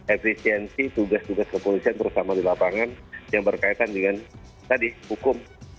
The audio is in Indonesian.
efisiensi tugas tugas kepolisian terutama di lapangan yang berkaitan dengan tadi hukum